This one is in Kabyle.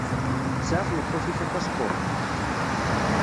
Tesεa tmeṭṭut-ik apaspuṛ?